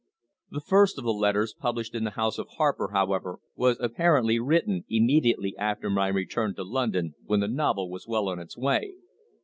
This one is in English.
The first of the letters published in The House of Harper, however, was apparently written immediately after my return to London when the novel was well on its way.